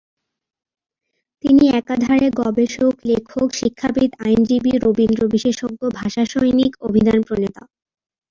তিনি একাধারে গবেষক, লেখক, শিক্ষাবিদ, আইনজীবী, রবীন্দ্র বিশেষজ্ঞ, ভাষা সৈনিক, অভিধানপ্রণেতা।